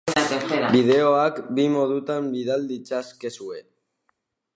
Bideoak bi modutan bidal ditzazkezue.